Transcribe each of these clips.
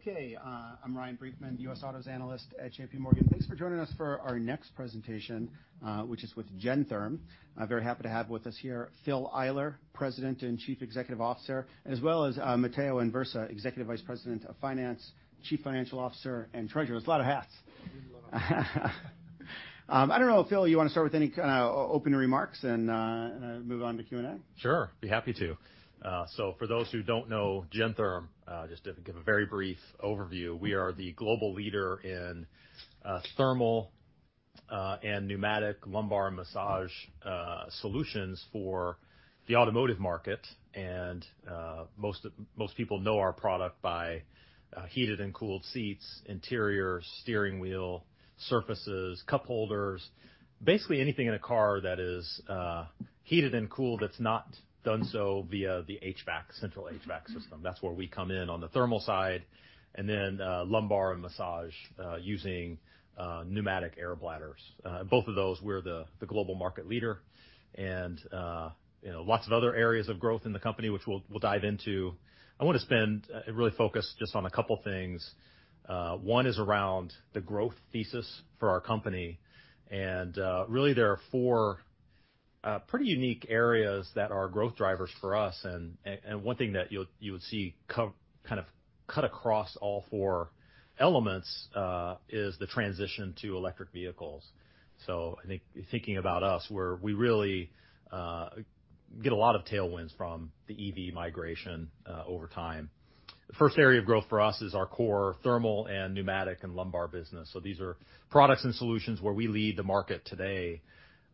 Okay, I'm Ryan Brinkman, the U.S. Autos Analyst at J.P. Morgan. Thanks for joining us for our next presentation, which is with Gentherm. I'm very happy to have with us here Phil Eyler, President and Chief Executive Officer, as well as Matteo Anversa, Executive Vice President of Finance, Chief Financial Officer, and Treasurer. It's a lot of hats. I don't know, Phil, you wanna start with any opening remarks, and then move on to Q&A? Sure, be happy to. So for those who don't know Gentherm, just to give a very brief overview, we are the global leader in thermal and pneumatic lumbar and massage solutions for the automotive market. Most people know our product by heated and cooled seats, interior steering wheel, surfaces, cup holders. Basically, anything in a car that is heated and cooled, that's not done so via the HVAC, central HVAC system. That's where we come in on the thermal side, and then lumbar and massage using pneumatic air bladders. Both of those, we're the global market leader and, you know, lots of other areas of growth in the company, which we'll, we'll dive into. I wanna spend and really focus just on a couple things. One is around the growth thesis for our company, and really, there are 4 pretty unique areas that are growth drivers for us, and one thing that you'll, you would see kind of cut across all 4 elements, is the transition to electric vehicles. I think thinking about us, we really get a lot of tailwinds from the EV migration over time. The first area of growth for us is our core thermal and pneumatic and lumbar business. These are products and solutions where we lead the market today.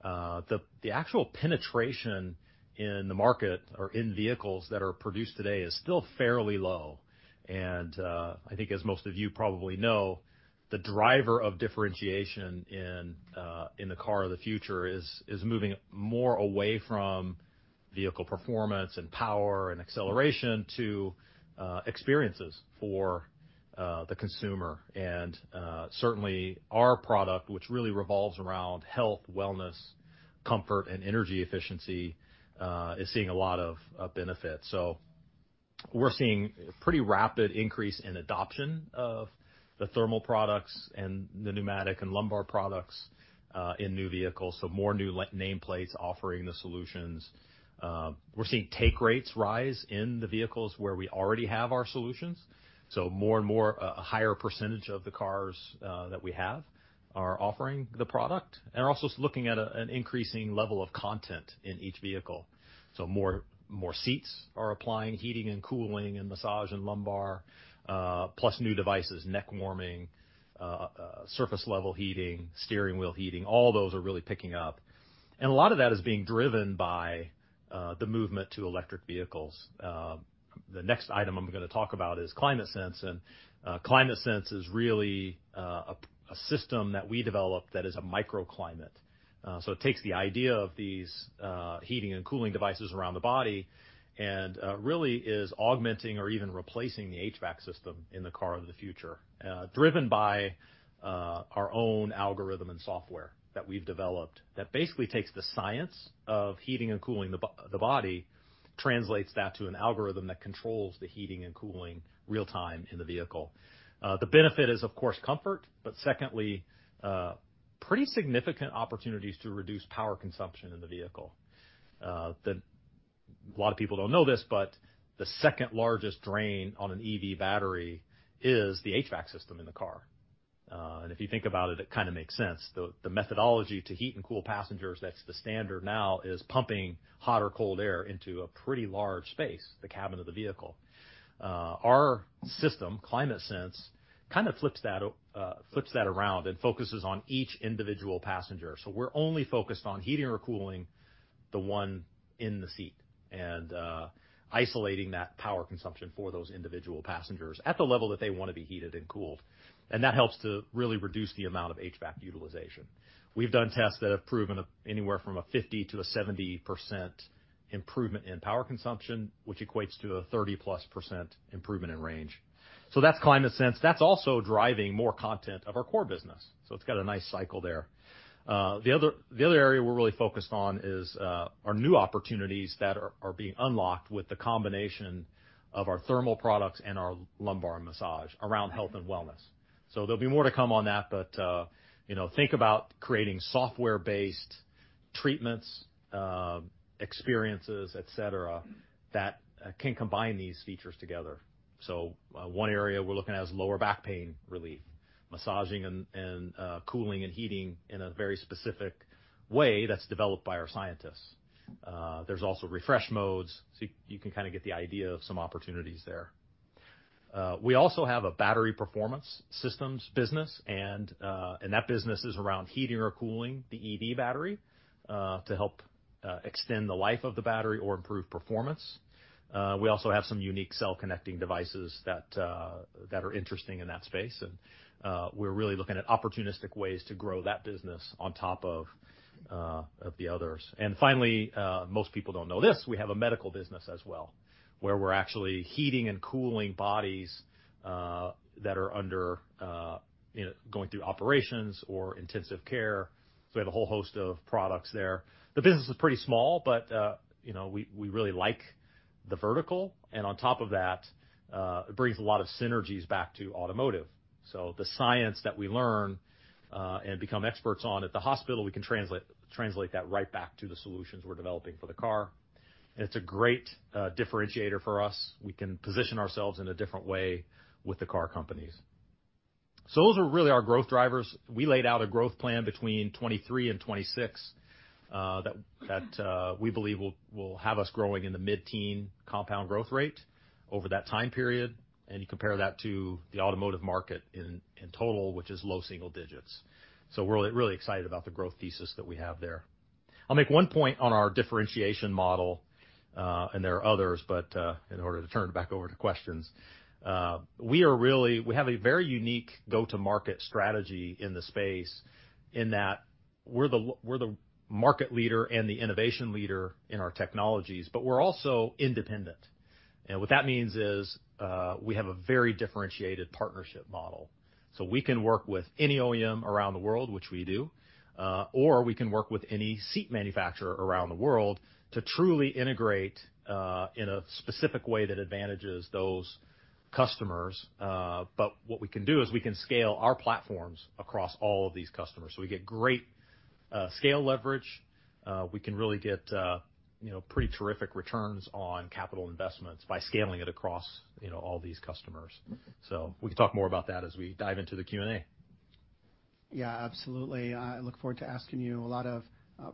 The, the actual penetration in the market or in vehicles that are produced today is still fairly low, and I think as most of you probably know, the driver of differentiation in the car of the future is moving more away from vehicle performance and power and acceleration to experiences for the consumer. Certainly, our product, which really revolves around health, wellness, comfort, and energy efficiency, is seeing a lot of benefit. We're seeing a pretty rapid increase in adoption of the thermal products and the pneumatic and lumbar products in new vehicles, so more new nameplates offering the solutions. We're seeing take rates rise in the vehicles where we already have our solutions, so more and more, a higher percentage of the cars that we have are offering the product, and also looking at an increasing level of content in each vehicle. More, more seats are applying heating and cooling and massage and lumbar, plus new devices: neck conditioning, surface-level heating, steering wheel heating, all those are really picking up. A lot of that is being driven by the movement to electric vehicles. The next item I'm gonna talk about is ClimateSense. ClimateSense is really a system that we developed that is a microclimate. It takes the idea of these heating and cooling devices around the body and really is augmenting or even replacing the HVAC system in the car of the future. Driven by our own algorithm and software that we've developed, that basically takes the science of heating and cooling the body, translates that to an algorithm that controls the heating and cooling real time in the vehicle. The benefit is, of course, comfort, but secondly, pretty significant opportunities to reduce power consumption in the vehicle. A lot of people don't know this, but the 2nd-largest drain on an EV battery is the HVAC system in the car. If you think about it, it kinda makes sense. The methodology to heat and cool passengers, that's the standard now, is pumping hot or cold air into a pretty large space, the cabin of the vehicle. Our system, ClimateSense, kind of flips that around and focuses on each individual passenger. We're only focused on heating or cooling the one in the seat and isolating that power consumption for those individual passengers at the level that they wanna be heated and cooled. That helps to really reduce the amount of HVAC utilization. We've done tests that have proven anywhere from a 50% to a 70% improvement in power consumption, which equates to a 30-plus% improvement in range. That's ClimateSense. That's also driving more content of our core business, so it's got a nice cycle there. The other, the other area we're really focused on is our new opportunities that are being unlocked with the combination of our thermal products and our lumbar massage around health and wellness. There'll be more to come on that, but, you know, think about creating software-based treatments, experiences, et cetera, that can combine these features together. One area we're looking at is lower back pain relief, massaging and, and cooling and heating in a very specific way that's developed by our scientists. There's also refresh modes. You can kinda get the idea of some opportunities there. We also have a battery performance systems business, and that business is around heating or cooling the EV battery to help extend the life of the battery or improve performance. We also have some unique cell-connecting devices that that are interesting in that space. We're really looking at opportunistic ways to grow that business on top of the others. Finally, most people don't know this: we have a medical business as well, where we're actually heating and cooling bodies... that are under, you know, going through operations or intensive care. We have a whole host of products there. The business is pretty small, but, you know, we, we really like the vertical. On top of that, it brings a lot of synergies back to automotive. The science that we learn and become experts on at the hospital, we can translate, translate that right back to the solutions we're developing for the car. It's a great differentiator for us. We can position ourselves in a different way with the car companies. Those are really our growth drivers. We laid out a growth plan between 2023 and 2026 that, that we believe will, will have us growing in the mid-teen compound growth rate over that time period, and you compare that to the automotive market in, in total, which is low single digits. We're really excited about the growth thesis that we have there. I'll make one point on our differentiation model, and there are others, but in order to turn it back over to questions. We are really-- we have a very unique go-to-market strategy in the space in that we're the we're the market leader and the innovation leader in our technologies, but we're also independent. What that means is, we have a very differentiated partnership model, so we can work with any OEM around the world, which we do, or we can work with any seat manufacturer around the world to truly integrate in a specific way that advantages those customers. What we can do is we can scale our platforms across all of these customers. We get great scale leverage. We can really get, you know, pretty terrific returns on capital investments by scaling it across, you know, all these customers. We can talk more about that as we dive into the Q&A. Yeah, absolutely. I look forward to asking you a lot of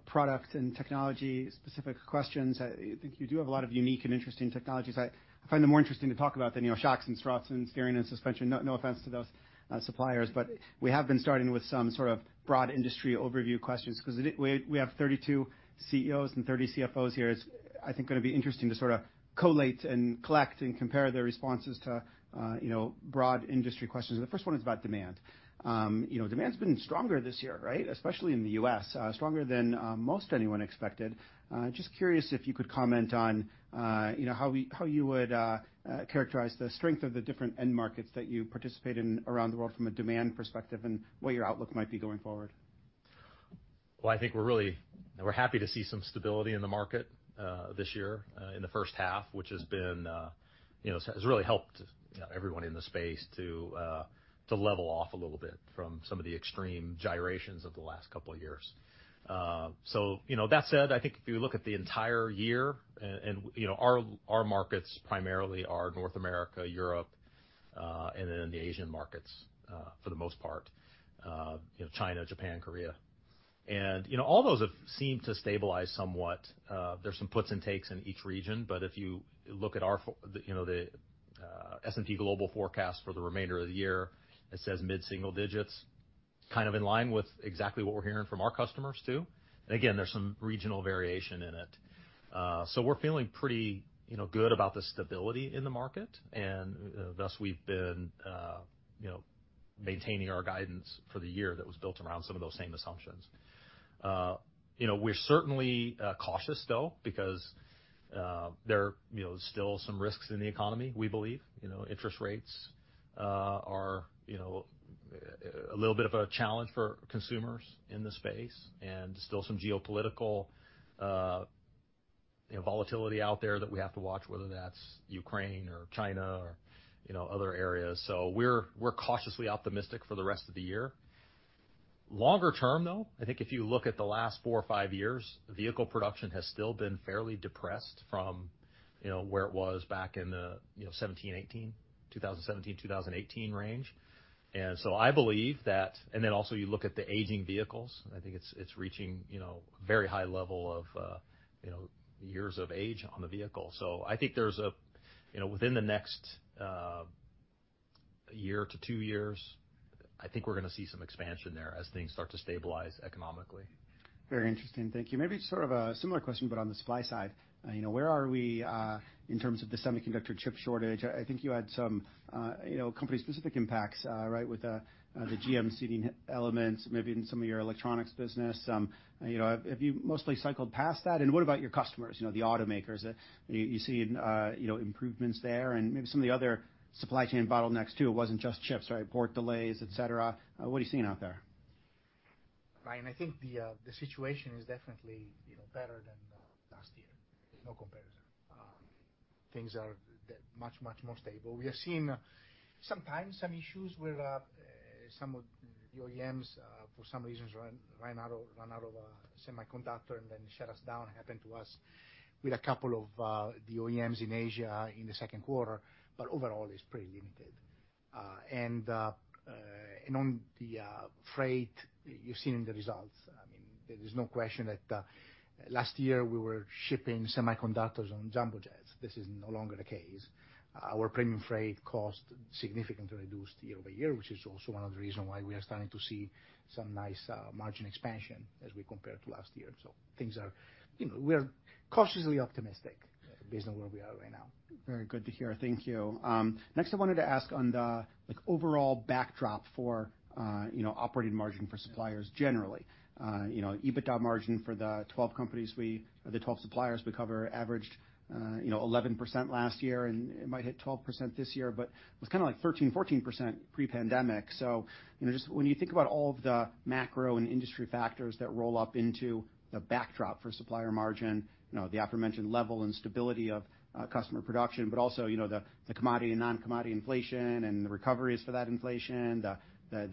product and technology-specific questions. I think you do have a lot of unique and interesting technologies. I, I find them more interesting to talk about than, you know, shocks and struts and steering and suspension. No, no offense to those suppliers, but we have been starting with some sort of broad industry overview questions because we have 32 CEOs and 30 CFOs here. It's, I think, gonna be interesting to sort of collate and collect and compare their responses to, you know, broad industry questions. The first one is about demand. You know, demand's been stronger this year, right? Especially in the U.S., stronger than most anyone expected. Just curious if you could comment on, you know, how you would characterize the strength of the different end markets that you participate in around the world from a demand perspective, and what your outlook might be going forward? Well, I think we're really... We're happy to see some stability in the market this year in the first half, which has been, you know, has really helped everyone in the space to level off a little bit from some of the extreme gyrations of the last couple of years. You know, that said, I think if you look at the entire year and, and, you know, our, our markets primarily are North America, Europe, and then the Asian markets, for the most part, you know, China, Japan, Korea. You know, all those have seemed to stabilize somewhat. There's some puts and takes in each region, but if you look at our you know, the S&P Global forecast for the remainder of the year, it says mid-single digits, kind of in line with exactly what we're hearing from our customers, too. Again, there's some regional variation in it. We're feeling pretty, you know, good about the stability in the market, and thus we've been, you know, maintaining our guidance for the year that was built around some of those same assumptions. You know, we're certainly cautious, though, because there are, you know, still some risks in the economy, we believe. You know, interest rates are, you know, a little bit of a challenge for consumers in this space, and there's still some geopolitical, you know, volatility out there that we have to watch, whether that's Ukraine or China or, you know, other areas. We're cautiously optimistic for the rest of the year. Longer term, though, I think if you look at the last 4 or 5 years, vehicle production has still been fairly depressed from, you know, where it was back in the, you know, 2017, 2018, 2017, 2018 range. I believe that. Then, also, you look at the aging vehicles, I think it's, it's reaching, you know, a very high level of, you know, years of age on the vehicle. I think there's a, you know, within the next year to 2 years, I think we're gonna see some expansion there as things start to stabilize economically. Very interesting. Thank you. Maybe sort of a similar question, but on the supply side, you know, where are we in terms of the semiconductor chip shortage? I think you had some, you know, company-specific impacts, right, with the GM seating elements, maybe in some of your electronics business. You know, have, have you mostly cycled past that? What about your customers, you know, the automakers? You, you seeing, you know, improvements there and maybe some of the other supply chain bottlenecks, too? It wasn't just chips, right? Port delays, et cetera. What are you seeing out there? Ryan, I think the, the situation is definitely, you know, better than last year. No comparison. Things are much, much more stable. We are seeing sometimes some issues with some of the OEMs, for some reasons, ran out of semiconductor and then shut us down. It happened to us with a couple of the OEMs in Asia in the second quarter. Overall, it's pretty limited. On the freight, you've seen in the results, I mean, there is no question that last year we were shipping semiconductors on jumbo jets. This is no longer the case. Our premium freight cost significantly reduced year-over-year, which is also one of the reasons why we are starting to see some nice margin expansion as we compare to last year. things are... You know, we are cautiously optimistic.... based on where we are right now. Very good to hear. Thank you. Next, I wanted to ask on the, like, overall backdrop for, you know, operating margin for suppliers generally. You know, EBITDA margin for the 12 companies or the 12 suppliers we cover averaged, you know, 11% last year, it might hit 12% this year, but it was kind of like 13%-14% pre-pandemic. You know, just when you think about all of the macro and industry factors that roll up into the backdrop for supplier margin, you know, the aforementioned level and stability of customer production, also, you know, the commodity and non-commodity inflation and the recoveries for that inflation, the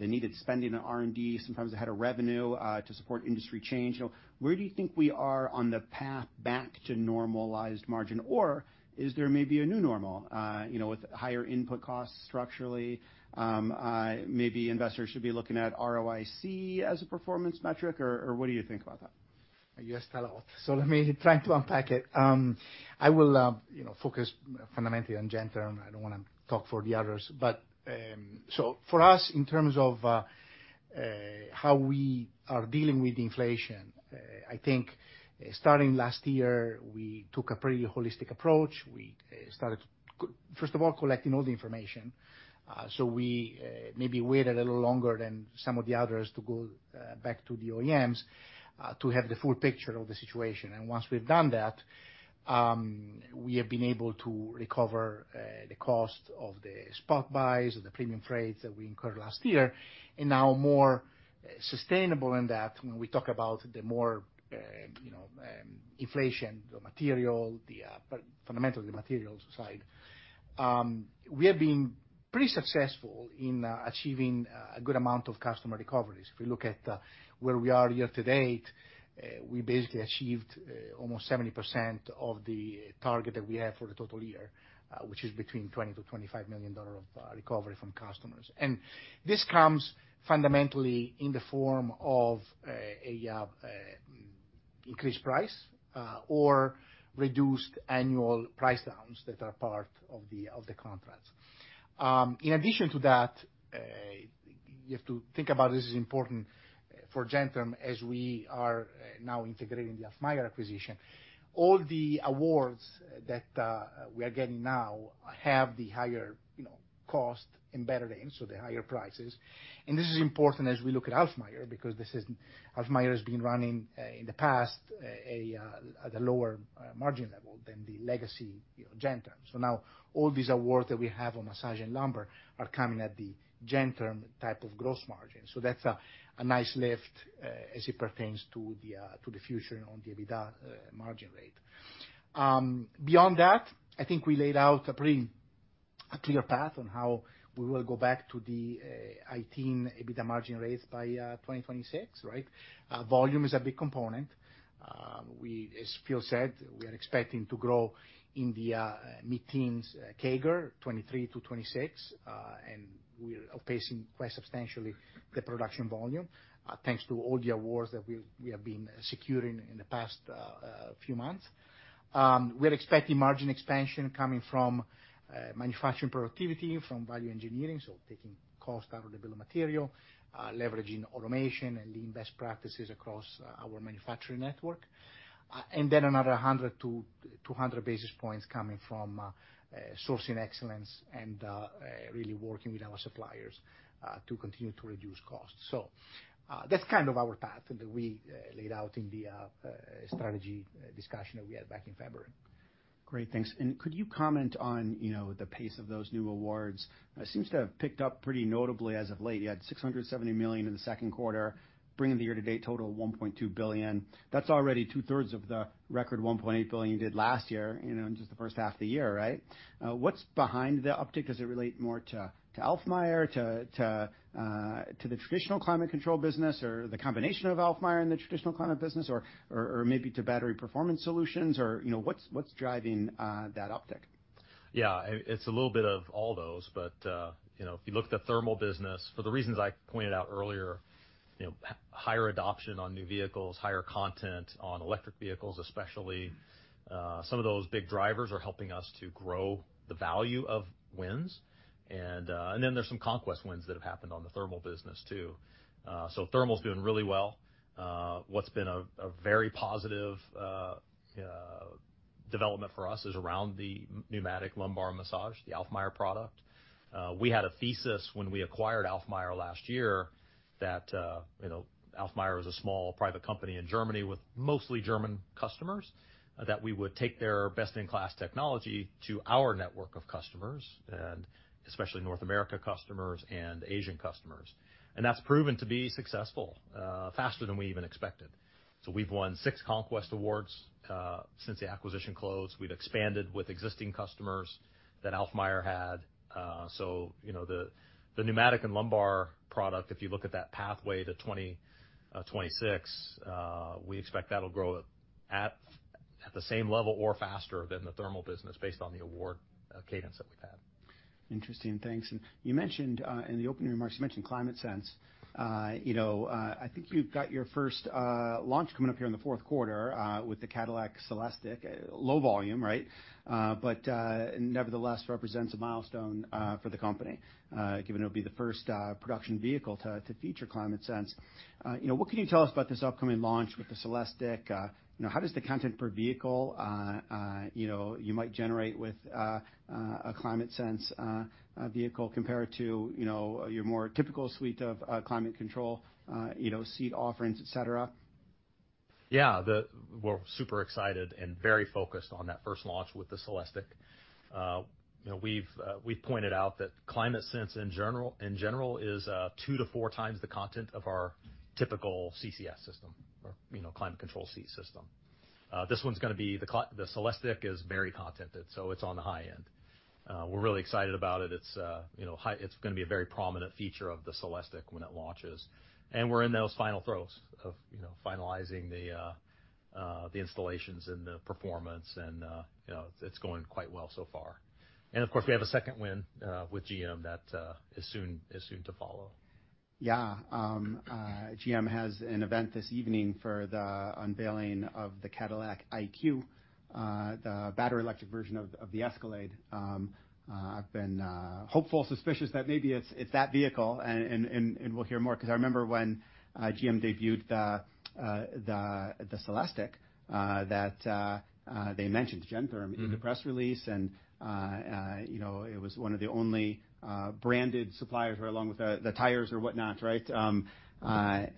needed spending on R&D, sometimes ahead of revenue, to support industry change. You know, where do you think we are on the path back to normalized margin, or is there maybe a new normal, you know, with higher input costs structurally? Maybe investors should be looking at ROIC as a performance metric, or what do you think about that? You asked a lot, so let me try to unpack it. I will, you know, focus fundamentally on Gentherm. I don't want to talk for the others. For us, in terms of how we are dealing with inflation, I think starting last year, we took a pretty holistic approach. We started, first of all, collecting all the information. We maybe waited a little longer than some of the others to go back to the OEMs to have the full picture of the situation. Once we've done that, we have been able to recover the cost of the spot buys or the premium freights that we incurred last year, and now more sustainable in that when we talk about the more, you know, inflation, the material, fundamentally, the materials side. We have been pretty successful in achieving a good amount of customer recoveries. If we look at where we are year to date, we basically achieved almost 70% of the target that we have for the total year, which is between $20 million-$25 million of recovery from customers. This comes fundamentally in the form of a increased price or reduced annual price downs that are part of the contracts. In addition to that, you have to think about this as important for Gentherm as we are now integrating the Alfmeier acquisition. All the awards that we are getting now have the higher, you know, cost embedded in, so the higher prices. This is important as we look at Alfmeier because this is... Alfmeier has been running in the past a at a lower margin level than the legacy, you know, Gentherm. Now all these awards that we have on massage and lumbar are coming at the Gentherm type of gross margin, so that's a a nice lift as it pertains to the to the future on the EBITDA margin rate. Beyond that, I think we laid out a pretty a clear path on how we will go back to the 2018 EBITDA margin rates by 2026, right? Volume is a big component. We, as Phil said, we are expecting to grow in the mid-teens CAGR, 2023 to 2026, and we're outpacing quite substantially the production volume thanks to all the awards that we, we have been securing in the past few months. We're expecting margin expansion coming from manufacturing productivity, from value engineering, so taking cost out of the bill of material, leveraging automation and lean best practices across our manufacturing network. Another 100-200 basis points coming from sourcing excellence and really working with our suppliers to continue to reduce costs. That's kind of our path that we laid out in the strategy discussion that we had back in February. Great, thanks. could you comment on, you know, the pace of those new awards? It seems to have picked up pretty notably as of late. You had $670 million in the 2Q, bringing the year-to-date total to $1.2 billion. That's already two-thirds of the record $1.8 billion you did last year, you know, in just the first half of the year, right? What's behind the uptick? Does it relate more to, to Alfmeier, to, to the traditional climate control business or the combination of Alfmeier and the traditional climate business, or, or, or maybe to battery performance solutions, or, you know, what's, what's driving that uptick? Yeah, it, it's a little bit of all those, but, you know, if you look at the thermal business, for the reasons I pointed out earlier, you know, higher adoption on new vehicles, higher content on electric vehicles especially, some of those big drivers are helping us to grow the value of wins. Then there's some conquest wins that have happened on the thermal business, too. Thermal's doing really well. What's been a very positive development for us is around the pneumatic lumbar massage, the Alfmeier product. We had a thesis when we acquired Alfmeier last year, that, you know, Alfmeier is a small private company in Germany with mostly German customers, that we would take their best-in-class technology to our network of customers, and especially North America customers and Asian customers. That's proven to be successful, faster than we even expected. We've won 6 conquest awards, since the acquisition closed. We've expanded with existing customers that Alfmeier had. You know, the, the pneumatic and lumbar product, if you look at that pathway to 20, 26, we expect that'll grow at, at the same level or faster than the thermal business, based on the award, cadence that we've had. Interesting. Thanks. You mentioned in the opening remarks you mentioned ClimateSense. You know, I think you've got your first launch coming up here in the fourth quarter, with the Cadillac Celestiq. Low volume, right? Nevertheless, represents a milestone for the company, given it'll be the first production vehicle to feature ClimateSense. You know, what can you tell us about this upcoming launch with the Celestiq? You know, how does the content per vehicle you might generate with a ClimateSense vehicle compare to, you know, your more typical suite of climate control, you know, seat offerings, et cetera?... Yeah, the, we're super excited and very focused on that first launch with the Celestiq. You know, we've, we've pointed out that ClimateSense, in general, in general, is 2-4 times the content of our typical CCS system or, you know, Climate Control Seat system. This one's gonna be the Celestiq is very contented, so it's on the high end. We're really excited about it. It's, you know, It's gonna be a very prominent feature of the Celestiq when it launches. We're in those final throes of, you know, finalizing the, the installations and the performance, and, you know, it's going quite well so far. Of course, we have a second win with GM that is soon, is soon to follow. Yeah. GM has an event this evening for the unveiling of the Cadillac IQ, the battery electric version of the Escalade. I've been hopeful, suspicious that maybe it's, it's that vehicle, and, and, and, and we'll hear more, 'cause I remember when GM debuted the, the, the Celestiq, that they mentioned Gentherm- Mm-hmm. in the press release, and, you know, it was one of the only, branded suppliers right along with the, the tires or whatnot, right? So I,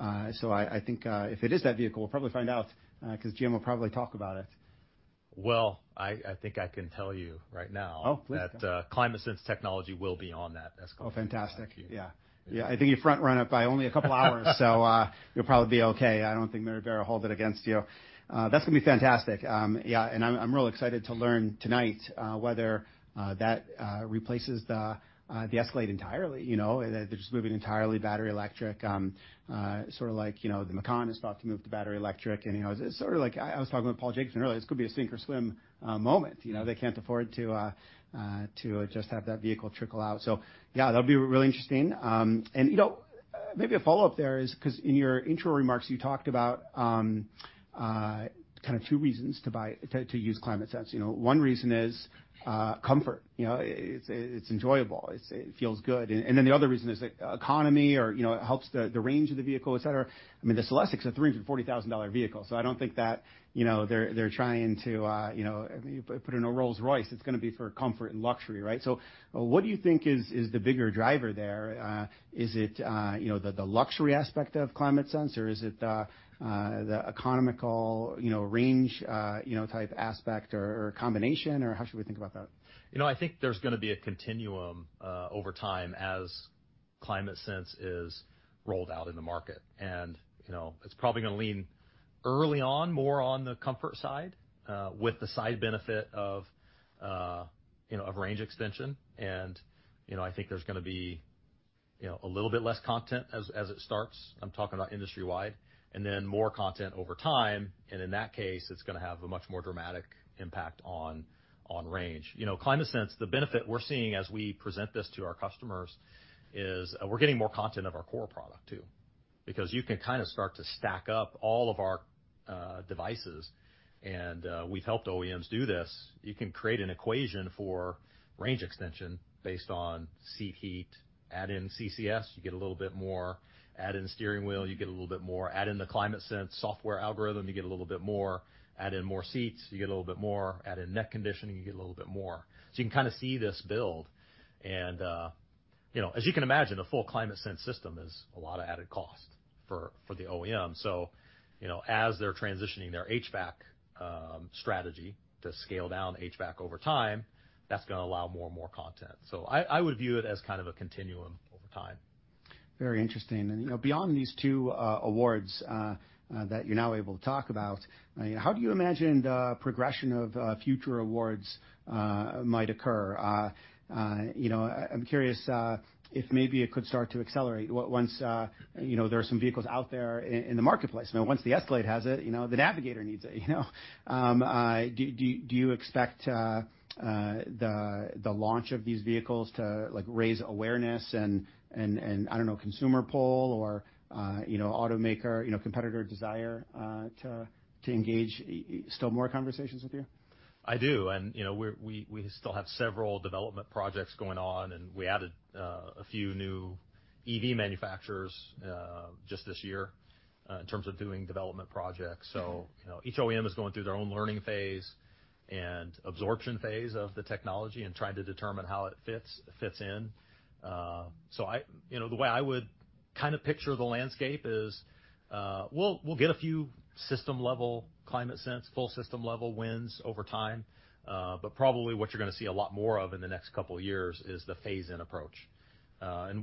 I think, if it is that vehicle, we'll probably find out, 'cause GM will probably talk about it. Well, I think I can tell you right now... Oh, please. -that, ClimateSense technology will be on that Escalade. Oh, fantastic. Yeah. Yeah, I think you front run it by only a couple hours so you'll probably be okay. I don't think Mary Barra will hold it against you. That's gonna be fantastic. Yeah, and I'm, I'm really excited to learn tonight whether that replaces the Escalade entirely, you know, they're just moving entirely battery electric, sort of like, you know, the Macan is about to move to battery electric and, you know. It's sort of like I, I was talking with Paul Jacobson earlier. This could be a sink or swim moment. You know, they can't afford to just have that vehicle trickle out. Yeah, that'll be really interesting. And, you know, maybe a follow-up there is, 'cause in your intro remarks, you talked about, kind of two reasons to, to use ClimateSense. You know, one reason is, comfort. You know, it's, it's enjoyable, it's, it feels good. And then the other reason is, like, economy or, you know, it helps the, the range of the vehicle, et cetera. I mean, the Celestiq is a $340,000 vehicle, so I don't think that, you know, they're, they're trying to, you know... If you put in a Rolls-Royce, it's gonna be for comfort and luxury, right? What do you think is, is the bigger driver there? Is it, you know, the, the luxury aspect of ClimateSense, or is it the economical, you know, range, you know, type aspect or, or combination, or how should we think about that? You know, I think there's gonna be a continuum over time as ClimateSense is rolled out in the market. You know, it's probably gonna lean early on, more on the comfort side, with the side benefit of, you know, of range extension. You know, I think there's gonna be, you know, a little bit less content as, as it starts. I'm talking about industry-wide, and then more content over time, and in that case, it's gonna have a much more dramatic impact on, on range. You know, ClimateSense, the benefit we're seeing as we present this to our customers is, we're getting more content of our core product too. Because you can kind of start to stack up all of our devices, and we've helped OEMs do this. You can create an equation for range extension based on seat heat, add in CCS, you get a little bit more. Add in the steering wheel, you get a little bit more. Add in the ClimateSense software algorithm, you get a little bit more. Add in more seats, you get a little bit more. Add in neck conditioning, you get a little bit more. You can kind of see this build. You know, as you can imagine, a full ClimateSense system is a lot of added cost for, for the OEM. You know, as they're transitioning their HVAC strategy to scale down HVAC over time, that's gonna allow more and more content. I, I would view it as kind of a continuum over time. Very interesting. You know, beyond these two awards that you're now able to talk about, how do you imagine the progression of future awards might occur? You know, I- I'm curious if maybe it could start to accelerate o- once, you know, there are some vehicles out there i- in the marketplace. Now, once the Escalade has it, you know, the Navigator needs it, you know? Do, do, do you expect the launch of these vehicles to, like, raise awareness and, and, and, I don't know, consumer poll or, you know, automaker, you know, competitor desire to, to engage e- still more conversations with you? I do. You know, we, we still have several development projects going on, we added a few new EV manufacturers just this year in terms of doing development projects. You know, each OEM is going through their own learning phase and absorption phase of the technology and trying to determine how it fits in. You know, the way I would kind of picture the landscape is, we'll, we'll get a few system-level ClimateSense, full system-level wins over time. Probably what you're gonna see a lot more of in the next couple of years is the phase-in approach.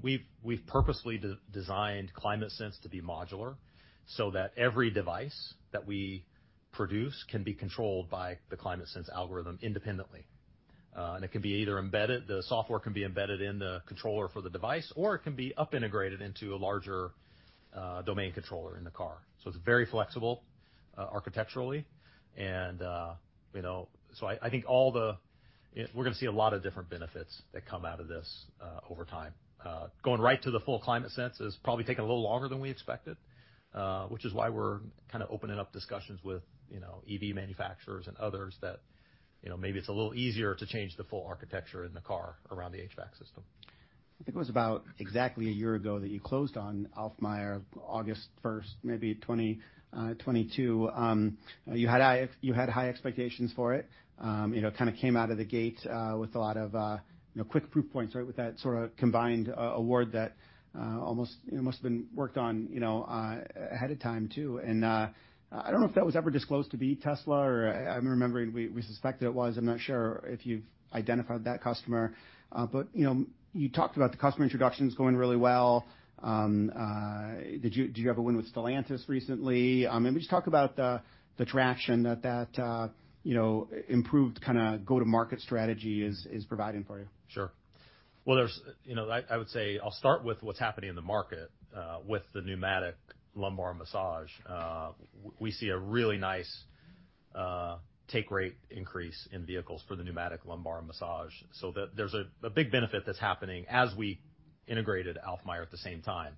We've, we've purposely designed ClimateSense to be modular, so that every device that we produce can be controlled by the ClimateSense algorithm independently. It can be either embedded, the software can be embedded in the controller for the device, or it can be up integrated into a larger domain controller in the car. It's very flexible architecturally. You know, so I think we're gonna see a lot of different benefits that come out of this over time. Going right to the full ClimateSense has probably taken a little longer than we expected, which is why we're kind of opening up discussions with, you know, EV manufacturers and others that, you know, maybe it's a little easier to change the full architecture in the car around the HVAC system. I think it was about exactly a year ago that you closed on Alfmeier, August 1st, maybe 2022. You had high, you had high expectations for it. You know, it kind of came out of the gate with a lot of, you know, quick proof points, right? With that sort of combined award that almost, you know, must have been worked on, you know, ahead of time, too. I don't know if that was ever disclosed to be Tesla, or I'm remembering we, we suspected it was. I'm not sure if you've identified that customer, but, you know, you talked about the customer introductions going really well. Did you-- did you have a win with Stellantis recently? I mean, just talk about the, the traction that, that, you know, improved kinda go-to-market strategy is, is providing for you. Sure. Well, You know, I, I would say, I'll start with what's happening in the market, with the pneumatic lumbar massage. We see a really nice, take rate increase in vehicles for the pneumatic lumbar massage. That there's a big benefit that's happening as we integrated Alfmeier at the same time.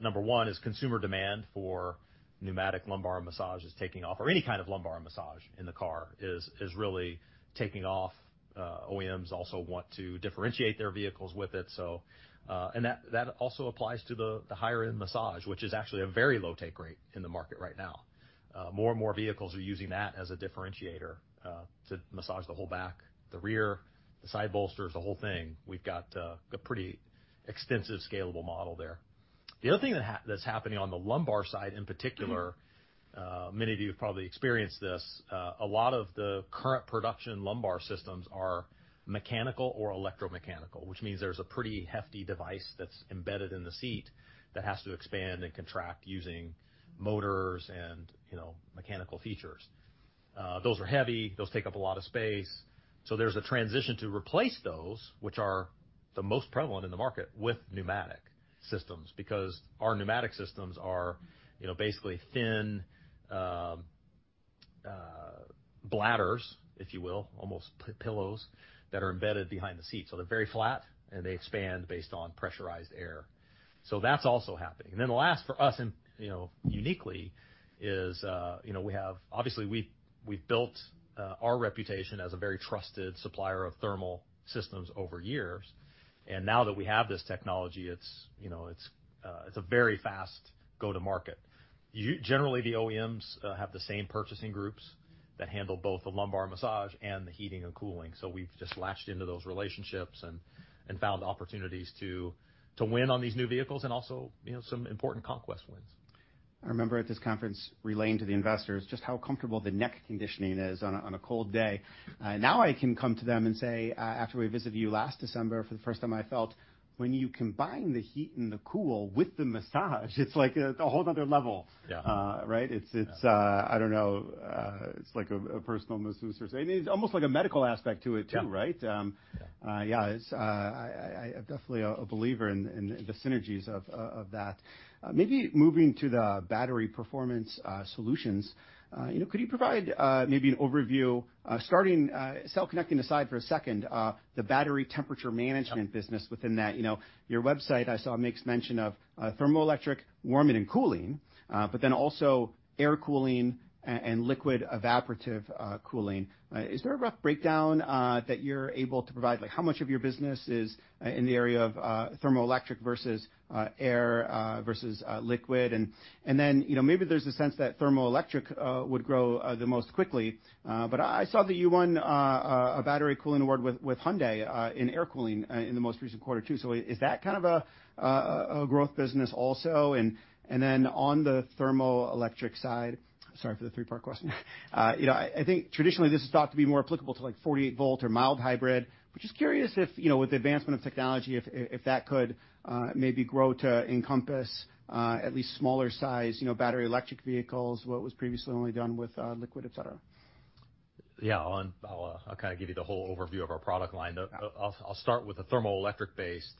Number one, is consumer demand for pneumatic lumbar massage is taking off, or any kind of lumbar massage in the car is, is really taking off. OEMs also want to differentiate their vehicles with it. That, that also applies to the, the higher-end massage, which is actually a very low take rate in the market right now. More and more vehicles are using that as a differentiator, to massage the whole back, the rear, the side bolsters, the whole thing. We've got a pretty extensive, scalable model there. The other thing that's happening on the lumbar side, in particular, many of you have probably experienced this, a lot of the current production lumbar systems are mechanical or electromechanical, which means there's a pretty hefty device that's embedded in the seat that has to expand and contract using motors and, you know, mechanical features. Those are heavy, those take up a lot of space. There's a transition to replace those, which are the most prevalent in the market, with pneumatic systems. Because our pneumatic systems are, you know, basically thin bladders, if you will, almost pillows, that are embedded behind the seat. They're very flat, and they expand based on pressurized air. That's also happening. The last for us, and, you know, uniquely is, you know, we have, obviously, we've, we've built our reputation as a very trusted supplier of thermal systems over years, and now that we have this technology, it's, you know, it's a very fast go-to-market. Generally, the OEMs have the same purchasing groups that handle both the lumbar massage and the heating and cooling, so we've just latched into those relationships and, and found opportunities to, to win on these new vehicles and also, you know, some important conquest wins. I remember at this conference, relaying to the investors just how comfortable the neck conditioning is on a, on a cold day. Now I can come to them and say, after we visited you last December, for the first time, I felt when you combine the heat and the cool with the massage, it's like a, a whole another level. Yeah. Right? Yeah. It's, it's... I don't know, it's like a, a personal masseuse or something. It's almost like a medical aspect to it, too. Yeah right? Yeah. Yeah, it's, I, I, I'm definitely a believer in the synergies of that. Maybe moving to the battery performance solutions, you know, could you provide, maybe an overview, starting, cell connecting aside for a second, the battery temperature management- Yeah... business within that? You know, your website, I saw, makes mention of thermoelectric warming and cooling, but then also air cooling and liquid evaporative cooling. Is there a rough breakdown that you're able to provide? Like, how much of your business is in the area of thermoelectric versus air versus liquid? Then, you know, maybe there's a sense that thermoelectric would grow the most quickly, but I, I saw that you won a battery cooling award with Hyundai in air cooling in the most recent quarter, too. Is that kind of a growth business also? Then on the thermoelectric side. Sorry for the three-part question. You know, I, I think traditionally, this is thought to be more applicable to, like, 48 volt or mild hybrid. Just curious if, you know, with the advancement of technology, if, if, if that could, maybe grow to encompass, at least smaller size, you know, battery electric vehicles, what was previously only done with, liquid, et cetera. Yeah, I'll, I'll, I'll kind of give you the whole overview of our product line. Yeah. I'll, I'll start with the thermoelectric-based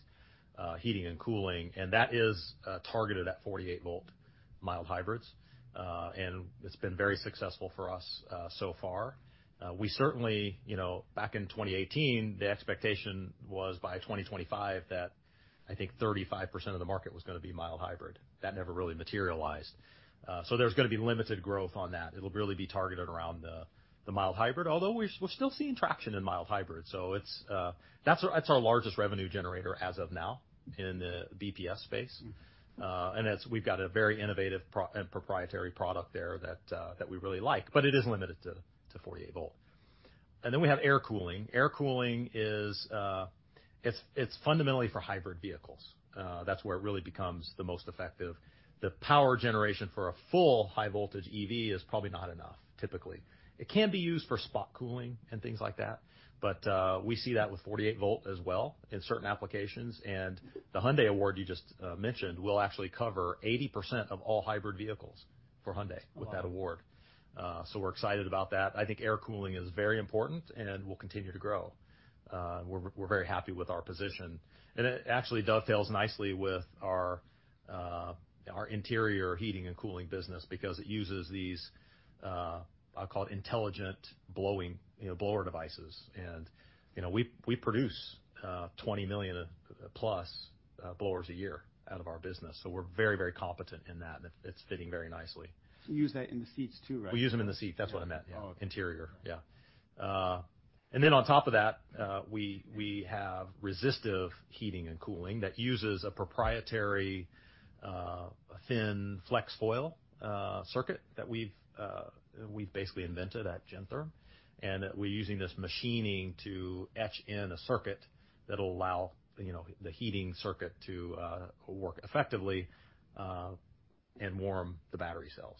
heating and cooling, and that is targeted at 48 volt mild hybrids. It's been very successful for us so far. We certainly, you know, back in 2018, the expectation was by 2025, that I think 35% of the market was gonna be mild hybrid. That never really materialized. There's gonna be limited growth on that. It'll really be targeted around the, the mild hybrid, although we're, we're still seeing traction in mild hybrid. It's, that's, that's our largest revenue generator as of now in the BPS space. Mm-hmm. As we've got a very innovative proprietary product there that we really like, but it is limited to, to 48 volt. Then we have air cooling. Air cooling is, it's, it's fundamentally for hybrid vehicles. That's where it really becomes the most effective. The power generation for a full high-voltage EV is probably not enough, typically. It can be used for spot cooling and things like that, but we see that with 48 volt as well in certain applications. The Hyundai award you just mentioned, will actually cover 80% of all hybrid vehicles for Hyundai. Wow! with that award. We're excited about that. I think air cooling is very important and will continue to grow. We're, we're very happy with our position, and it actually dovetails nicely with our interior heating and cooling business because it uses these, I call it intelligent blowing, you know, blower devices. You know, we, we produce, 20 million+... blowers a year out of our business. We're very, very competent in that, and it, it's fitting very nicely. You use that in the seats, too, right? We use them in the seat. That's what I meant. Oh. Interior, yeah. Then on top of that, we, we have resistive heating and cooling that uses a proprietary, thin flex foil circuit that we've basically invented at Gentherm, and we're using this machining to etch in a circuit that'll allow, you know, the heating circuit to work effectively and warm the battery cells.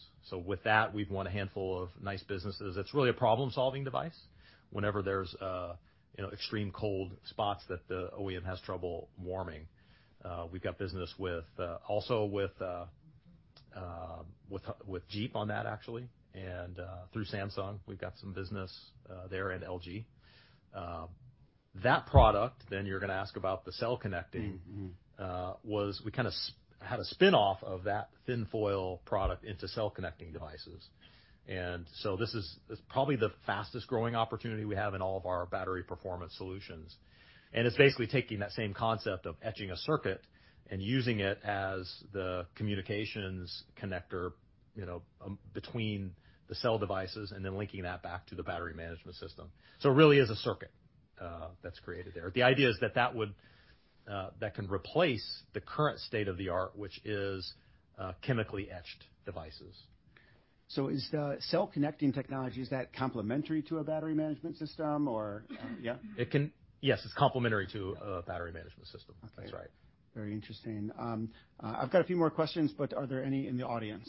With that, we've won a handful of nice businesses. It's really a problem-solving device. Whenever there's, you know, extreme cold spots that the OEM has trouble warming, we've got business with, also with, with Jeep on that, actually, and through Samsung, we've got some business there, and LG. That product, you're gonna ask about the cell connecting. Mm-hmm. Was we kind of had a spin-off of that thin foil product into cell connecting devices. This is, it's probably the fastest growing opportunity we have in all of our battery performance solutions. It's basically taking that same concept of etching a circuit and using it as the communications connector, you know, between the cell devices and then linking that back to the Battery Management System. It really is a circuit that's created there. The idea is that, that would that can replace the current state-of-the-art, which is chemically etched devices. Is the cell connecting technology, is that complementary to a Battery Management System, or yeah? Yes, it's complementary to a Battery Management System. Okay. That's right. Very interesting. I've got a few more questions, are there any in the audience?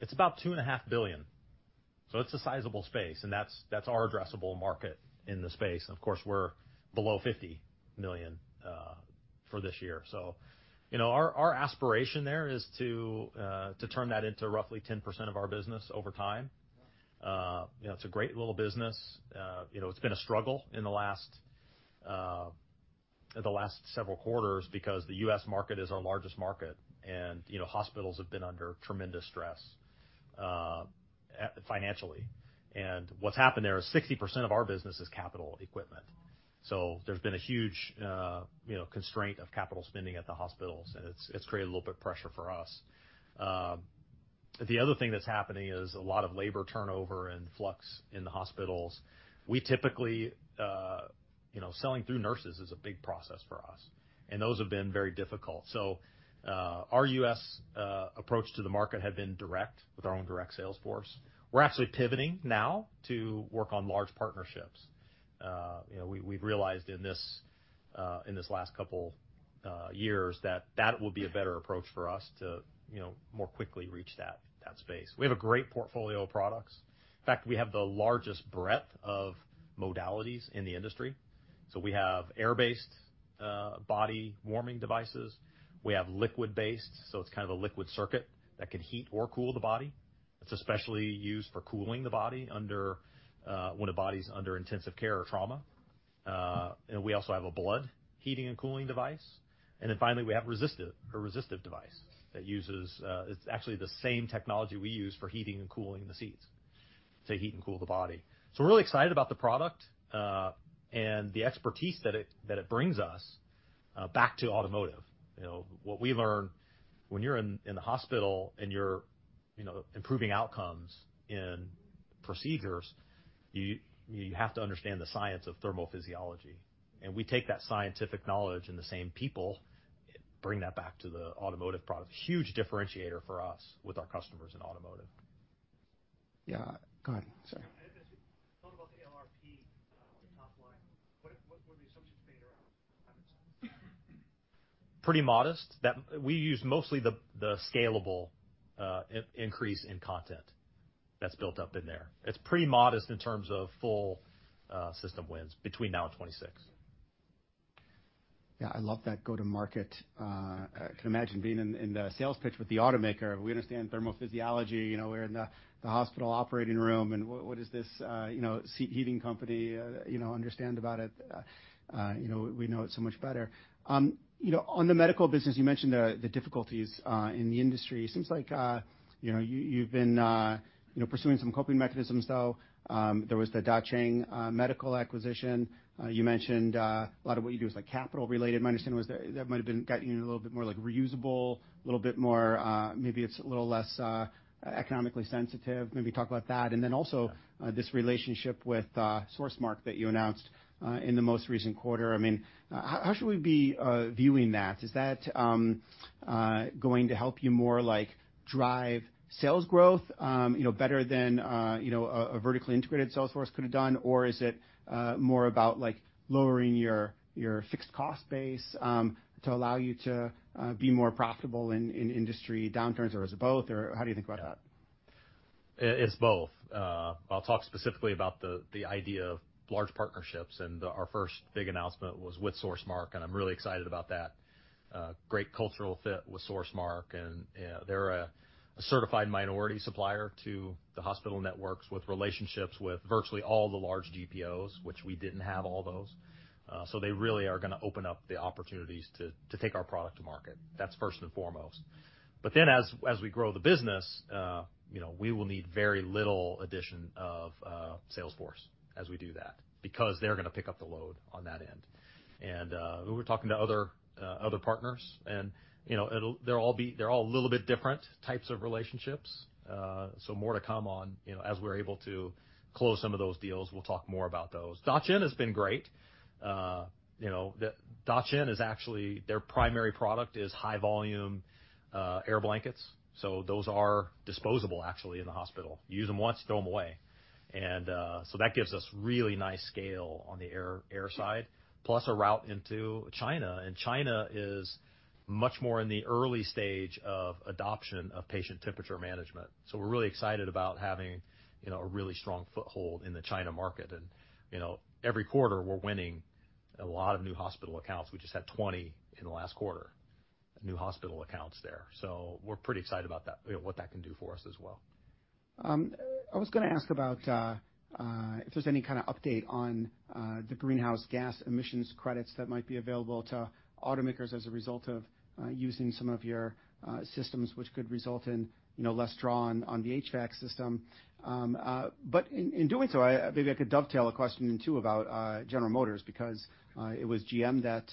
Quick question. Thank you for your time. What's the TAM of the medical segment? It's about $2.5 billion, so it's a sizable space, and that's, that's our addressable market in the space. Of course, we're below $50 million for this year. You know, our, our aspiration there is to turn that into roughly 10% of our business over time. You know, it's a great little business. You know, it's been a struggle in the last, the last several quarters because the U.S. market is our largest market, and, you know, hospitals have been under tremendous stress, at- financially. What's happened there is 60% of our business is capital equipment, so there's been a huge, you know, constraint of capital spending at the hospitals, and it's, it's created a little bit of pressure for us. The other thing that's happening is a lot of labor turnover and flux in the hospitals. We typically, you know, selling through nurses is a big process for us, and those have been very difficult. Our U.S. approach to the market had been direct, with our own direct sales force. We're actually pivoting now to work on large partnerships. You know, we, we've realized in this, in this last couple years that that will be a better approach for us to, you know, more quickly reach that, that space. We have a great portfolio of products. In fact, we have the largest breadth of modalities in the industry. We have air-based body warming devices. We have liquid-based, so it's kind of a liquid circuit that can heat or cool the body. It's especially used for cooling the body under, when a body's under intensive care or trauma. We also have a blood heating and cooling device. Then finally, we have resistive, a resistive device that uses. It's actually the same technology we use for heating and cooling the seats, to heat and cool the body. We're really excited about the product, and the expertise that it, that it brings us, back to automotive. You know, what we learned, when you're in, in the hospital and you're, you know, improving outcomes in procedures, you, you have to understand the science of thermal physiology. We take that scientific knowledge and the same people, bring that back to the automotive product. Huge differentiator for us with our customers in automotive. Yeah, go ahead, sir. Thought about the LRP, the top line. What were the assumptions made around content? Pretty modest. We use mostly the scalable increase in content that's built up in there. It's pretty modest in terms of full system wins between now and 2026. Yeah, I love that go-to-market. I can imagine being in, in the sales pitch with the automaker. We understand thermal physiology, you know, we're in the, the hospital operating room, and what, what does this, you know, seat heating company, you know, understand about it? You know, we know it so much better. You know, on the medical business, you mentioned the, the difficulties, in the industry. Seems like, you know, you, you've been, you know, pursuing some coping mechanisms, though. There was the Dacheng Medical acquisition. You mentioned, a lot of what you do is, like, capital related. My understanding was there, that might have been got you in a little bit more like reusable, a little bit more, maybe it's a little less, economically sensitive. Maybe talk about that. Then also, this relationship with SourceMark that you announced in the most recent quarter. I mean, how, how should we be viewing that? Is that going to help you more, like, drive sales growth, you know, better than, you know, a, a vertically integrated sales force could have done? Or is it more about, like, lowering your, your fixed cost base to allow you to be more profitable in industry downturns, or is it both, or how do you think about that? It's both. I'll talk specifically about the, the idea of large partnerships, and our first big announcement was with SourceMark, and I'm really excited about that. Great cultural fit with SourceMark, and they're a, a certified minority supplier to the hospital networks, with relationships with virtually all the large GPOs, which we didn't have all those. They really are gonna open up the opportunities to, to take our product to market. That's first and foremost. Then as, as we grow the business, you know, we will need very little addition of sales force as we do that, because they're gonna pick up the load on that end.... We were talking to other, other partners, and, you know, they're all a little bit different types of relationships. More to come on, you know, as we're able to close some of those deals, we'll talk more about those. Dacheng has been great. You know, the Dacheng is actually, their primary product is high-volume air blankets, so those are disposable, actually, in the hospital. You use them once, throw them away. That gives us really nice scale on the air, air side, plus a route into China. China is much more in the early stage of adoption of patient temperature management. We're really excited about having, you know, a really strong foothold in the China market. You know, every quarter, we're winning a lot of new hospital accounts. We just had 20 in the last quarter, new hospital accounts there. We're pretty excited about that, you know, what that can do for us as well. I was gonna ask about if there's any kind of update on the greenhouse gas emissions credits that might be available to automakers as a result of using some of your systems, which could result in, you know, less draw on the HVAC system. In doing so, maybe I could dovetail a question in, too, about General Motors, because it was GM that,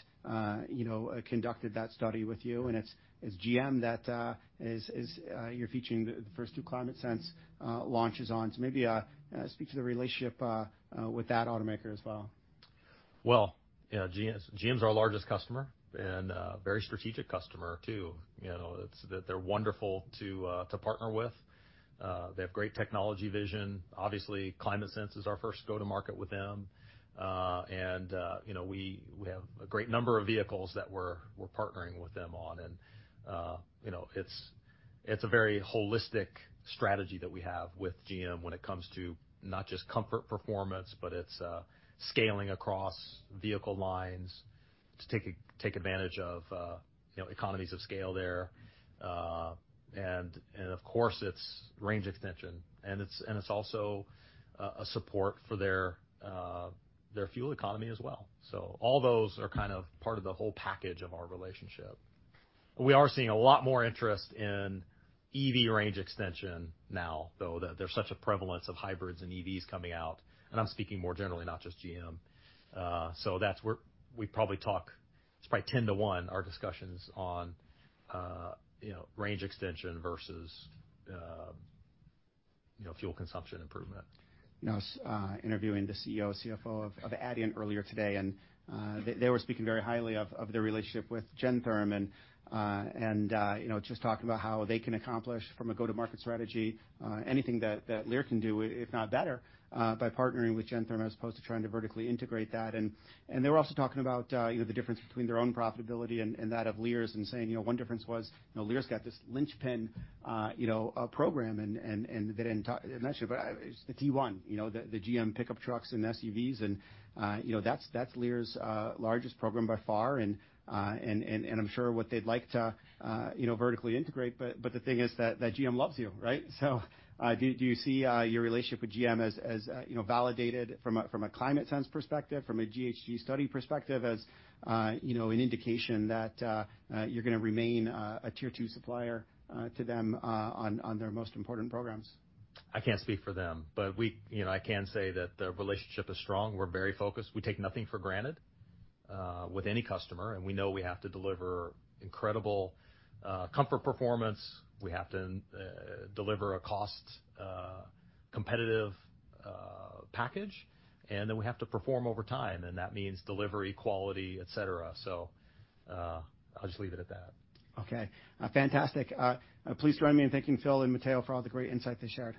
you know, conducted that study with you, and it's, it's GM that is you're featuring the first two ClimateSense launches on. Maybe speak to the relationship with that automaker as well. Well, yeah, GM's, GM's our largest customer and very strategic customer, too. You know, they're wonderful to partner with. They have great technology vision. Obviously, ClimateSense is our first go-to-market with them. And, you know, we, we have a great number of vehicles that we're, we're partnering with them on, and, you know, it's, it's a very holistic strategy that we have with GM when it comes to not just comfort performance, but it's scaling across vehicle lines to take advantage of, you know, economies of scale there. And, and of course, it's range extension, and it's, and it's also a support for their, their fuel economy as well. All those are kind of part of the whole package of our relationship. We are seeing a lot more interest in EV range extension now, though, that there's such a prevalence of hybrids and EVs coming out. I'm speaking more generally, not just GM. That's where we probably talk, it's probably 10 to 1, our discussions on, you know, range extension versus, you know, fuel consumption improvement. I was interviewing the CEO, CFO of Adient earlier today, and they were speaking very highly of their relationship with Gentherm, and, you know, just talking about how they can accomplish, from a go-to-market strategy, anything that Lear can do, if not better, by partnering with Gentherm as opposed to trying to vertically integrate that. They were also talking about, you know, the difference between their own profitability and, and that of Lear's, and saying, you know, one difference was, you know, Lear's got this linchpin, you know, program and they didn't mention it, but it's the T1, you know, the GM pickup trucks and SUVs, and, you know, that's, that's Lear's, largest program by far, and I'm sure what they'd like to, you know, vertically integrate, but the thing is that GM loves you, right? Do you see your relationship with GM as, you know, validated from a ClimateSense perspective, from a GHG study perspective, as, you know, an indication that you're gonna remain a Tier 2 supplier to them on their most important programs? I can't speak for them, you know, I can say that the relationship is strong. We're very focused. We take nothing for granted with any customer, and we know we have to deliver incredible comfort performance. We have to deliver a cost competitive package, and then we have to perform over time, and that means delivery, quality, et cetera. I'll just leave it at that. Okay. fantastic. Please join me in thanking Phil and Matteo for all the great insight they shared.